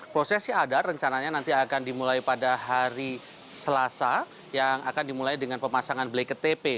prosesi adat rencananya nanti akan dimulai pada hari selasa yang akan dimulai dengan pemasangan blacket tp